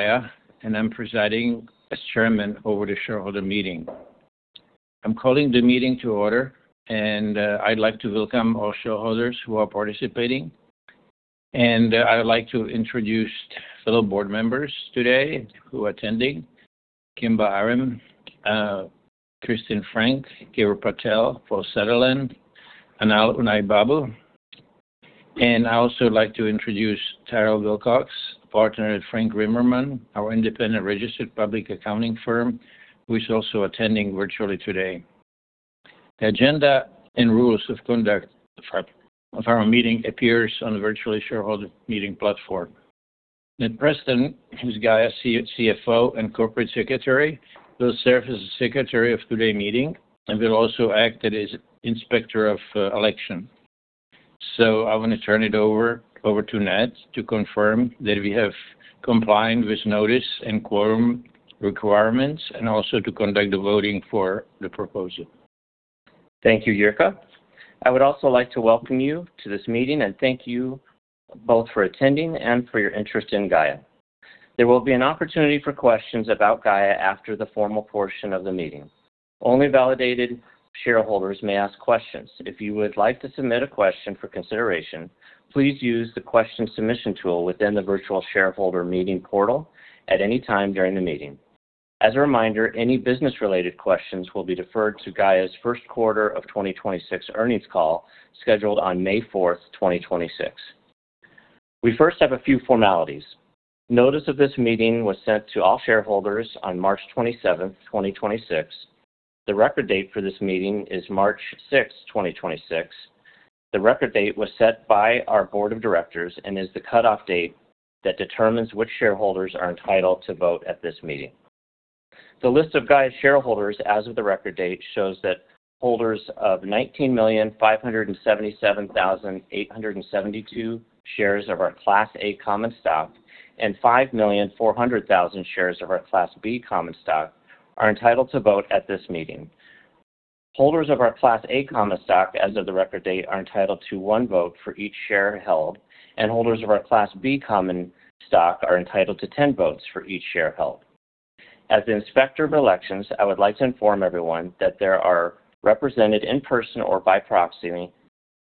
Gaia, I'm presiding as chairman over the shareholder meeting. I'm calling the meeting to order, and I'd like to welcome all shareholders who are participating, and I would like to introduce fellow board members today who are attending. Kimberly Arem, Kristin Frank, Keyur Patel, Paul Sutherland, and Anaal Udaybabu. I also would like to introduce Tyrel Wilcox, partner at Frank, Rimerman + Co. LLP, our independent registered public accounting firm, who is also attending virtually today. The agenda and rules of conduct of our meeting appears on the virtual shareholder meeting platform. Ned Preston, who's Gaia's CFO and corporate secretary, will serve as the secretary of today meeting and will also act as inspector of election. I want to turn it over to Ned to confirm that we have complied with notice and quorum requirements and also to conduct the voting for the proposal. Thank you, Jirka. I would also like to welcome you to this meeting and thank you both for attending and for your interest in Gaia. There will be an opportunity for questions about Gaia after the formal portion of the meeting. Only validated shareholders may ask questions. If you would like to submit a question for consideration, please use the question submission tool within the virtual shareholder meeting portal at any time during the meeting. As a reminder, any business-related questions will be deferred to Gaia's first quarter of 2026 earnings call, scheduled on May 4th, 2026. We first have a few formalities. Notice of this meeting was sent to all shareholders on March 27th, 2026. The record date for this meeting is March 6th, 2026. The record date was set by our board of directors and is the cutoff date that determines which shareholders are entitled to vote at this meeting. The list of Gaia shareholders as of the record date shows that holders of 19,577,872 shares of our Class A common stock and 5,400,000 shares of our Class B common stock are entitled to vote at this meeting. Holders of our Class A common stock as of the record date are entitled to one vote for each share held, and holders of our Class B common stock are entitled to 10 votes for each share held. As the inspector of elections, I would like to inform everyone that there are represented in person or by proxy,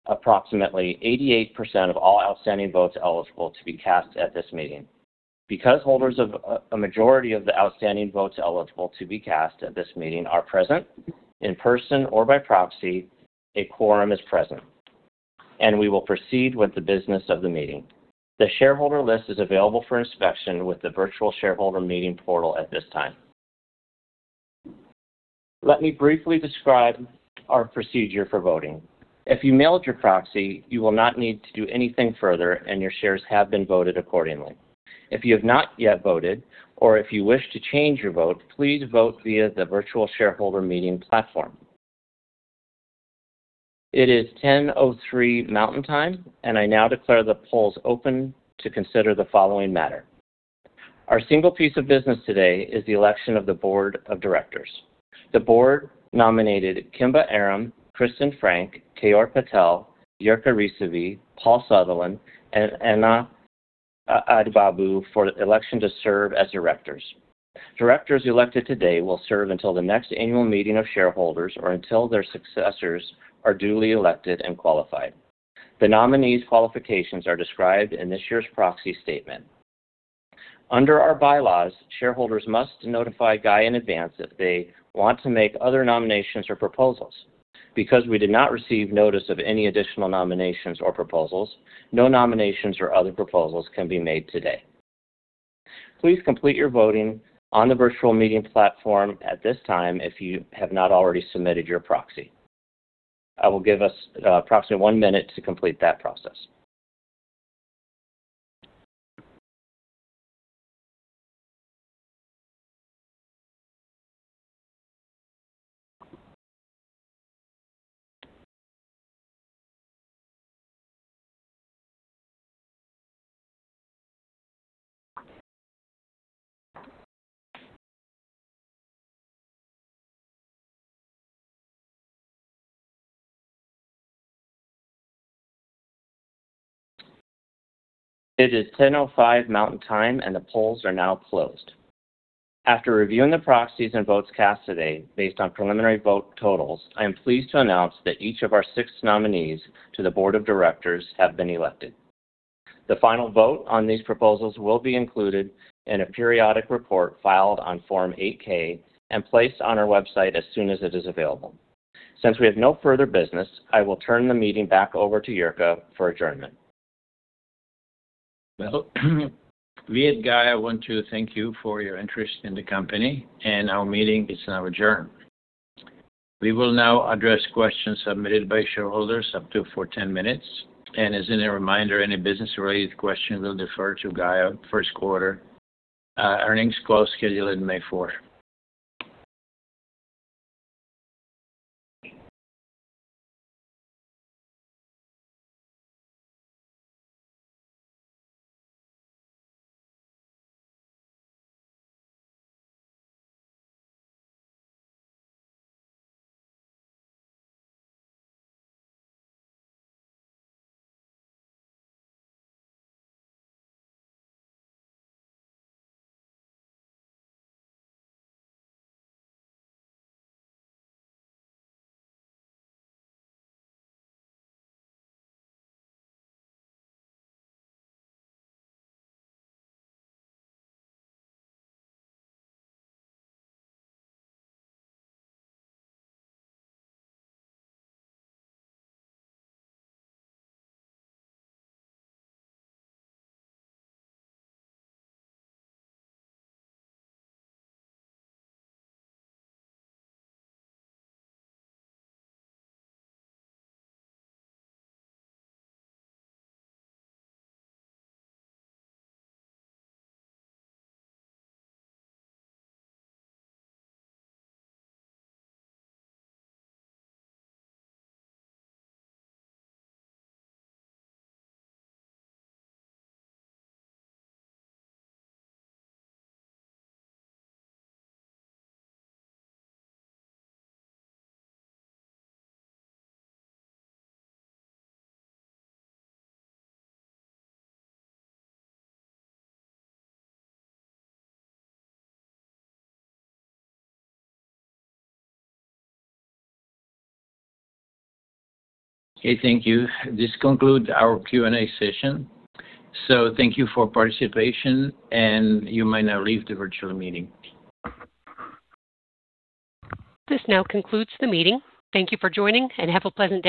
approximately 88% of all outstanding votes eligible to be cast at this meeting. Because holders of a majority of the outstanding votes eligible to be cast at this meeting are present in person or by proxy, a quorum is present, and we will proceed with the business of the meeting. The shareholder list is available for inspection with the virtual shareholder meeting portal at this time. Let me briefly describe our procedure for voting. If you mailed your proxy, you will not need to do anything further, and your shares have been voted accordingly. If you have not yet voted or if you wish to change your vote, please vote via the virtual shareholder meeting platform. It is 10:03 Mountain Time, and I now declare the polls open to consider the following matter. Our single piece of business today is the election of the board of directors. The board nominated Kimberly Arem, Kristin Frank, Keyur Patel, Jirka Rysavy, Paul Sutherland, and Anaal Udaybabu for election to serve as directors. Directors elected today will serve until the next annual meeting of shareholders or until their successors are duly elected and qualified. The nominees' qualifications are described in this year's proxy statement. Under our bylaws, shareholders must notify Gaia in advance if they want to make other nominations or proposals. Because we did not receive notice of any additional nominations or proposals, no nominations or other proposals can be made today. Please complete your voting on the virtual meeting platform at this time if you have not already submitted your proxy. I will give us approximately one minute to complete that process. It is 10:05 Mountain Time, and the polls are now closed. After reviewing the proxies and votes cast today, based on preliminary vote totals, I am pleased to announce that each of our six nominees to the board of directors have been elected. The final vote on these proposals will be included in a periodic report filed on Form 8-K and placed on our website as soon as it is available. Since we have no further business, I will turn the meeting back over to Jirka for adjournment. Well, we at Gaia want to thank you for your interest in the company, and our meeting is now adjourned. We will now address questions submitted by shareholders up to 40 minutes. As a reminder, any business-related questions will defer to Gaia first quarter earnings call scheduled May fourth. Okay, thank you. This concludes our Q&A session. Thank you for participation, and you may now leave the virtual meeting. This now concludes the meeting. Thank you for joining, and have a pleasant day.